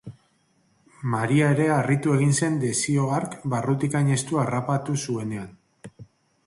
Maria ere harritu egin zen desio hark barrutik hain estu harrapatu zuenean.